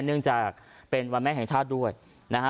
จึงจะเป็นวันแม่แห่งชาติด้วยนะฮะ